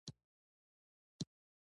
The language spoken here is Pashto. وجدان د انسان د دروني قاضي غږ دی.